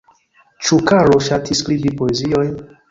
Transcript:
Ĉu Karlo ŝatis skribi poeziojn?